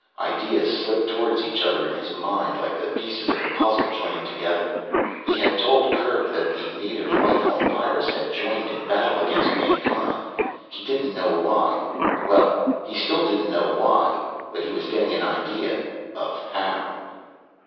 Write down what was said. Ideas slipped towards each other in his mind, like the pieces of a puzzle joining together. He had told Kerk that the native life of Pyrrus had joined in battle against mankind, he didn't know why. Well he still didn't know why, but he was getting an idea of the "how."